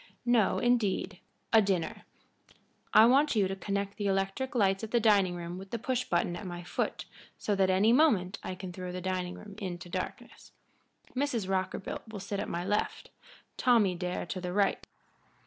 No, indeed a dinner. I want you to connect the electric lights of the dining room with the push button at my foot, so that at any moment I can throw the dining room into darkness. Mrs. Rockerbilt will sit at my left Tommy Dare to the right.